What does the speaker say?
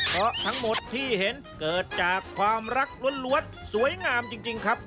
เพราะทั้งหมดที่เห็นเกิดจากความรักล้วนสวยงามจริงครับ